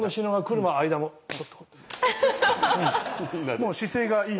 もう姿勢がいい。